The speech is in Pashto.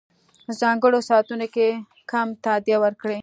ځانګړو ساعتونو کم تادیه ورکړي.